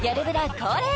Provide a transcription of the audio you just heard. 恒例